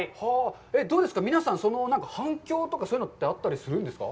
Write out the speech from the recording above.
どうですか、皆さん、反響とか、そういうのってあったりするんですか。